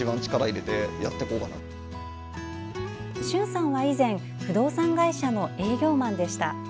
駿さんは以前不動産会社の営業マンでした。